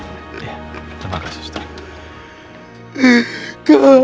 iya terima kasih ustaz